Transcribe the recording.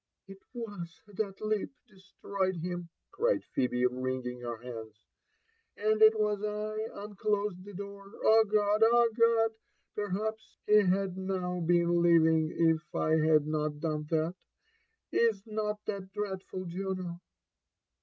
^ 'it UiNia that leap destroyed him/' cried Pbebe, wringing her hauda ;— "and it was I unclosed the door. Oh, God ! oh, God I— ^perhaps h^ had now bden living if I had not done that !— ^Is not that dreadful, Juno?"